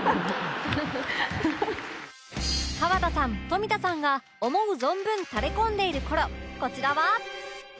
河田さん富田さんが思う存分タレコんでいる頃こちらは